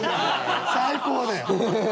最高だよ。